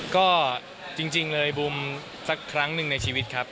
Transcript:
ก็จริงเลยบูมสักครั้งหนึ่งในชีวิตครับ